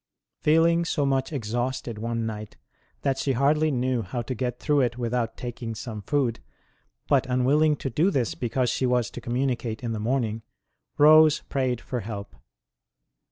Feeling so much ex 164 ST. ROSE OF LIMA hausted one night that she hardly knew how to get through it without taking some food, but unwilling to do this because she was to communi cate in the morning, Rose prayed for help.